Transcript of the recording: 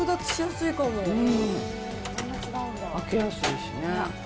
開けやすいしね。